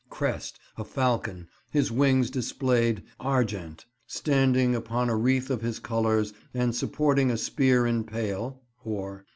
Crest, a falcon, his wings displayed, argent, standing upon a wreath of his colours and supporting a spear in pale, or."